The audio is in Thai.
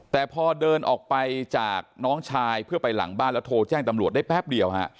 แต่พอเดินออกไปจากน้องชายเพื่อไปหลังบ้านแล้วโทรแจ้งตำรวจได้แป๊บเดียวฮะ